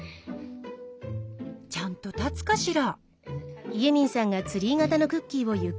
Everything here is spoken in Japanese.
ちゃんと立つかしら？